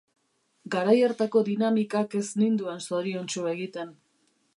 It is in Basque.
Garai hartako dinamikak ez ninduen zoriontsu egiten.